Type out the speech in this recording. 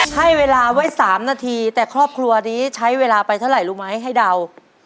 ให้เวลาไว้๓นาทีแต่ครอบครัวนี้ใช้เวลาไปเท่าไหร่รู้ไหมให้เดา